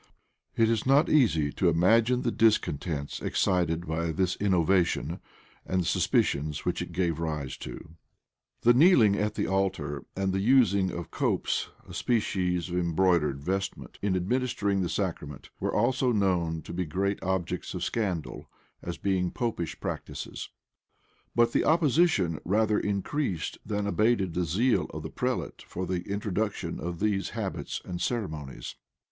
It is not easy to imagine the discontents excited by this innovation, and the suspicions which it gave rise to. * Rushworth, vol. ii. p. 76, 77. Welwood, p. 275. Franklyn, p. 386. Rushworth, vol ii. p. 207. Whitlocke, p. 24. The kneeling at the altar, and the using of copes, a species of embroidered vestment, in administering the sacrament, were also known to be great objects of scandal, as being Popish practices; but the opposition rather increased than abated the zeal of the prelate for the introduction of these habits and ceremonies.